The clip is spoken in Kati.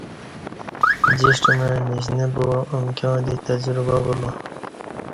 جݜٹ مع نیشنہ با امکیاں دی تجربہ بولا